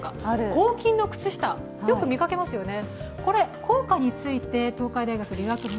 抗菌の靴下、よく見かけますよね。